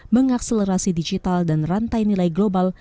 mengakselerasi digital dan rantai nilai global